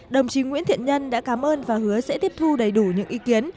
đồng chí nguyễn thiện nhân đã cảm ơn và hứa sẽ tiếp thu đầy đủ những ý kiến